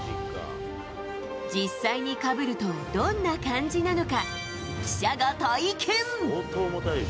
実際にかぶると、どんな感じなのか、記者が体験。